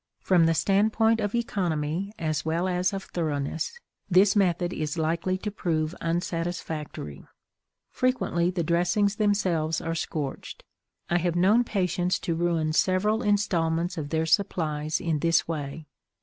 From the standpoint of economy as well as of thoroughness, this method is likely to prove unsatisfactory. Frequently, the dressings themselves are scorched; I have known patients to ruin several installments of their supplies in this way.